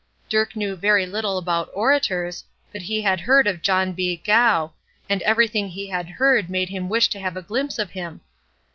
Dirk knew very little about orators, but he had heard of John B. Gough, and everything he had heard made him wish to have a glimpse of him.